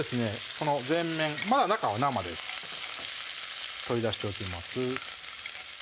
この全面まだ中は生です取り出しておきます